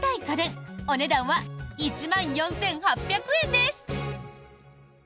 家電お値段は１万４８００円です。